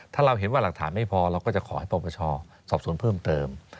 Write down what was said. ถ้าเราเห็นว่าหลักฐานไม่พอเราก็จะขอให้ปรปชสอบสวนเพิ่มเติม